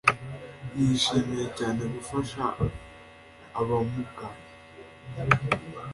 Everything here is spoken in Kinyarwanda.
nishimiye cyane gufasha abamugaye